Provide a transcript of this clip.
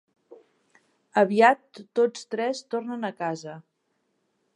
Aviat tots tres retornen a casa.